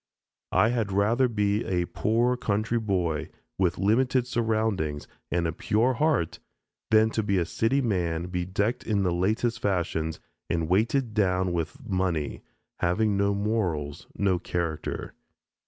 I had rather be a poor country boy with limited surroundings and a pure heart than to be a city man bedecked in the latest fashions and weighted down with money, having no morals, no character.